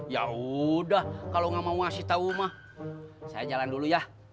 ya udah kalau nggak mau ngasih tau mah saya jalan dulu ya